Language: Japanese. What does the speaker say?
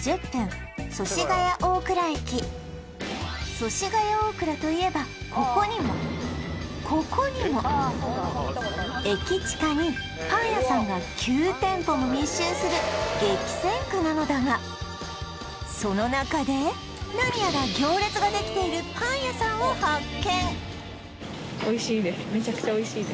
祖師ヶ谷大蔵といえばここにもここにも駅近にパン屋さんが９店舗も密集する激戦区なのだがその中で何やら行列ができているパン屋さんを発見